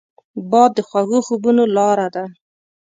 باد د خوږو خوبونو لاره ده